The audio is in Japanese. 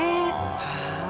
はい。